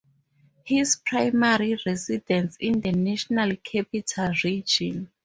His primary residence is in the National Capital Region.